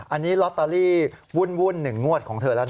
อันนี้ลอตเตอรี่วุ่น๑งวดของเธอแล้วนะ